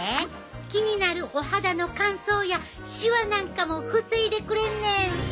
気になるお肌の乾燥やシワなんかも防いでくれんねん！